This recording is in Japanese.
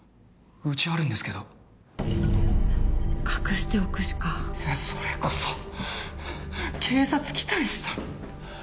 家あるんですけど隠しておくしかそれこそ警察来たりしたら！